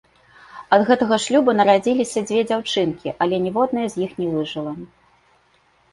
Ад гэтага шлюбу нарадзіліся дзве дзяўчынкі, але ніводная з іх не выжыла.